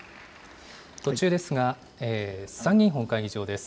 途中ですが、参議院本会議場です。